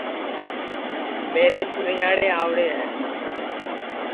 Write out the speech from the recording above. میرے سُِرئینٚئاڑے آؤڑے ہے